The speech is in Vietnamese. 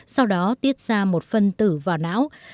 sau đó tiết ra một phân tử vào não